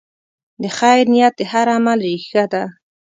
د خیر نیت د هر عمل ریښه ده.